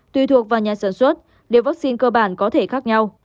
tùy thuộc vào nhà sản xuất điều vắc xin cơ bản có thể khác nhau